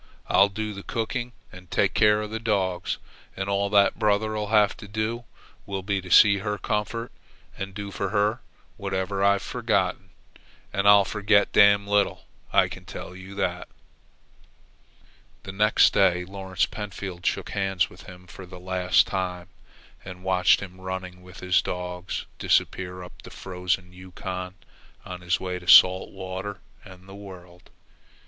I'll do the cooking and take care of the dogs, and all that brother'll have to do will be to see to her comfort and do for her whatever I've forgotten. And I'll forget damn little, I can tell you." The next day Lawrence Pentfield shook hands with him for the last time and watched him, running with his dogs, disappear up the frozen Yukon on his way to salt water and the world.